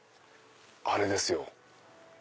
あれですよ。